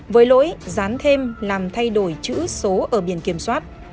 với lỗi dán thêm làm thay đổi chữ số ở biển kiểm soát